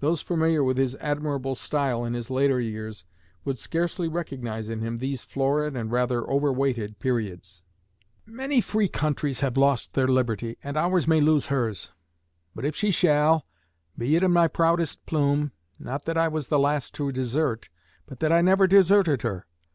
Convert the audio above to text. Those familiar with his admirable style in his later years would scarcely recognize him in these florid and rather over weighted periods: Many free countries have lost their liberty, and ours may lose hers; but if she shall, be it my proudest plume, not that I was the last to desert, but that I never deserted her.